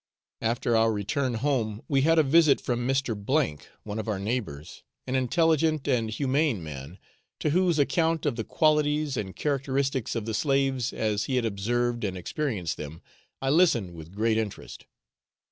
After our return home we had a visit from Mr. C , one of our neighbours, an intelligent and humane man, to whose account of the qualities and characteristics of the slaves, as he had observed and experienced them, I listened with great interest.